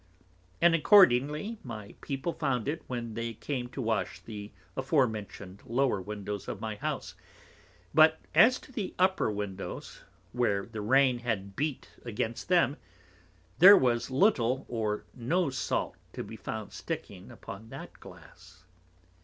And accordingly my People found it when they came to wash the afore mentioned lower Windows of my House: but as to the upper Windows, where the Rain had beat against them, there was little or no Salt to be found sticking upon that Glass.